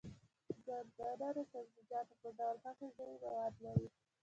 ګندنه د سبزيجاتو په ډول ښه غذايي مواد لري.